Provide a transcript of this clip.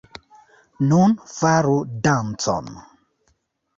Nun, faru dancon.